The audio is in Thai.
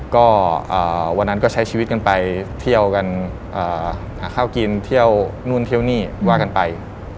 ก็วันนั้นก็ใช้ชีวิตกันไปเที่ยวกันหาข้าวกินเที่ยวนู่นเที่ยวนี่ว่ากันไป